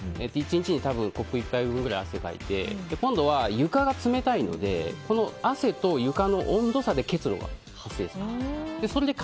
１日にコップ１杯分ぐらい汗をかいて今度は床が冷たいので汗と床の温度差で結露が発生するんです。